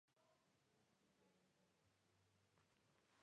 El dorso es de color oliva.